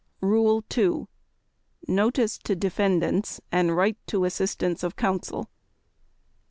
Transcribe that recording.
Rule 2. _Notice to Defendants and Right to Assistance of Counsel.